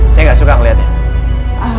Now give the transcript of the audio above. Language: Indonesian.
saya gak suka ngeliatnya